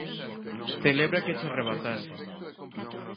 Celebra que cho arrebatase.